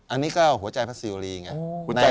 อันนี้ก็หัวใจพระศิวรีไง